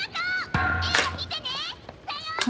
映画見てね！さようなら！